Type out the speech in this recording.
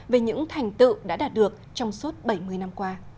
về những thành tựu đã đạt được trong suốt bảy mươi năm qua